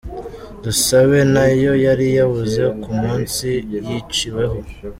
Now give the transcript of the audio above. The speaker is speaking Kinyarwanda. Dusabe nayo yari yabuze ku munsi yiciweho.